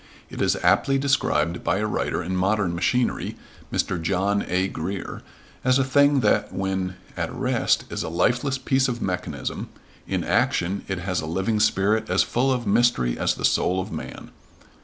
It is aptly described by a writer in Modern Machinery, Mr. John A. Grier, as a thing that when "at rest is a lifeless piece of mechanism; in action it has a living spirit as full of mystery as the soul of man."